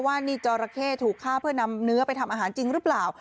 ว่านี่จอราเข้ถูกฆ่าเพื่อนำเนื้อไปทำอาหารจริงหรือเปล่า